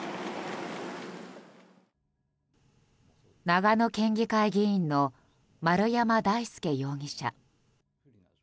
長野県議会議員の丸山大輔容疑者。